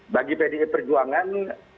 bagi pdi perjuangan